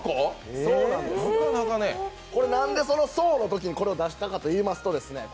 これなんでその層のときにこれを出したかというとですね